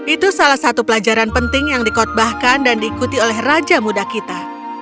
itu salah satu pelajaran penting yang dikotbahkan dan diikuti oleh raja muda kita